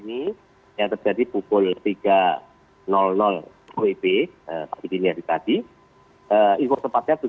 iya jadi gempa ini yang terjadi pukul tiga wib pagi dini hari tadi